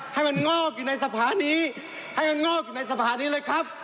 ให้มันงอกอยู่ในสภานี้ให้มันงอกอยู่ในสภานี้เลยครับ